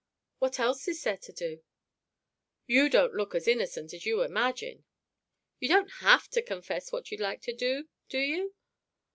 "What else is there to do?" "You don't look as innocent as you imagine!" "You don't have to confess what you'd like to do, do you?